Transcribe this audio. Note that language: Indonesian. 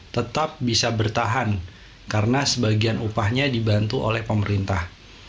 tetap bisa bertahan karena sebagian upahnya dibantu oleh pemerintah